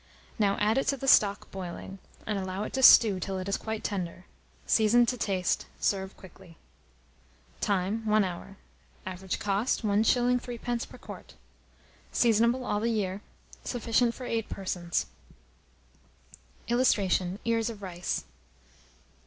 Now add it to the stock boiling, and allow it to stew till it is quite tender; season to taste. Serve quickly. Time. 1 hour. Average cost, 1s. 3d. per quart. Seasonable all the year. Sufficient for 8 persons. [Illustration: EARS OF RICE.